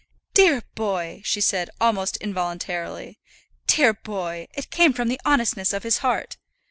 "Dear boy!" she said, almost involuntarily. "Dear boy! it came from the honestness of his heart!"